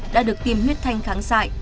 đã được tiêm huyết thanh kháng dại